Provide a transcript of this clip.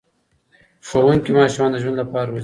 ښوونکي ماشومان د ژوند لپاره روزي.